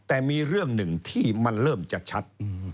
แต่มีเรื่องหนึ่งที่มันเริ่มจะชัด